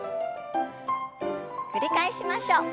繰り返しましょう。